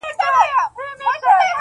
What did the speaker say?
• چي دهقان دلته د سونډ دانې شیندلې -